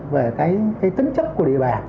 về cái tính chất của địa bàn